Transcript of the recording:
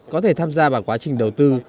có thể tham gia vào quá trình đầu tư